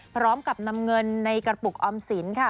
พร้อมกับนำเงินในกระปุกออมสินค่ะ